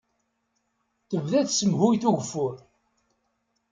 Tebda tsemhuyt ugeffur.